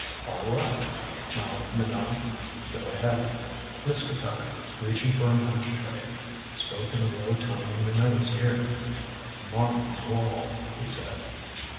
"All right," smiled Minot. "Go ahead." Mr. Paddock, reaching for a match tray, spoke in a low tone in Minot's ear. "Martin Wall," he said.